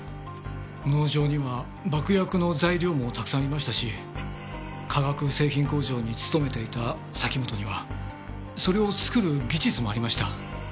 農場には爆薬の材料もたくさんありましたし化学製品工場に勤めていた崎本にはそれを作る技術もありました。